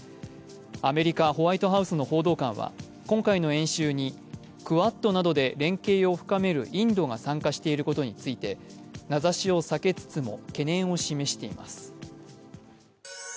アメリカ・ホワイトハウスの報道官は今回の演習にクアッドなどで連携を深めるインドが参加していることについて名指しを避けつつも懸念を示しています。